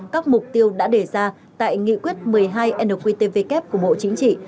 các mục tiêu đã đề ra tại nghị quyết một mươi hai nqtvk của bộ chính trị